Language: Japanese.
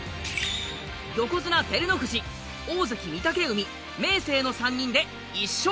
横綱照ノ富士大関御嶽海明生の３人で１勝。